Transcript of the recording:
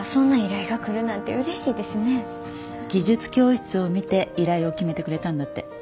技術教室を見て依頼を決めてくれたんだって。